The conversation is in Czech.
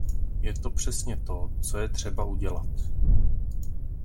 Je to přesně to, co je třeba udělat.